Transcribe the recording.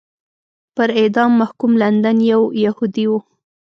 پر اعدام محکوم لندن یو یهودی و.